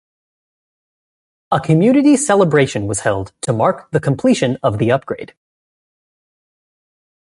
A community celebration was held to mark the completion of the upgrade.